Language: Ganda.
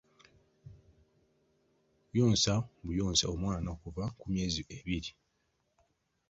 Yonsa buyonsa omwana okuva ku myezi ebiri.